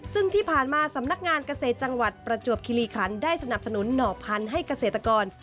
ซึ่งที่ผ่านมาสำนักงานเกษตรจังหวัดประจวบคิริคันได้สนับสนุนหน่อพันธุ์ให้เกษตรกร